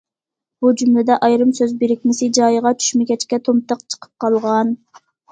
بۇ جۈملىدە ئايرىم سۆز بىرىكمىسى جايىغا چۈشمىگەچكە، تومتاق چىقىپ قالغان.